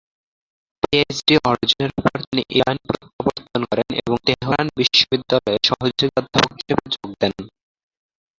PhD অর্জনের পর তিনি ইরানে প্রত্যাবর্তন করেন এবং তেহরান বিশ্ববিদ্যালয়ে সহযোগী অধ্যাপক হিসেবে যোগ দেন।